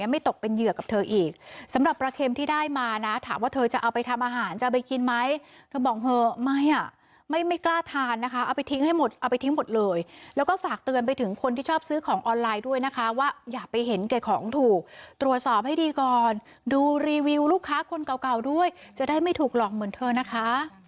ไม่ไม่กล้าทานนะคะเอาไปทิ้งให้หมดเอาไปทิ้งหมดเลยแล้วก็ฝากเตือนไปถึงคนที่ชอบซื้อของออนไลน์ด้วยนะคะว่าอย่าไปเห็นแก่ของถูกตรวจสอบให้ดีก่อนดูรีวิวลูกค้าคนเก่าเก่าด้วยจะได้ไม่ถูกหลอกเหมือนเธอนะคะ